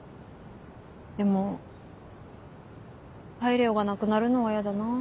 でもパイレオがなくなるのは嫌だなぁ。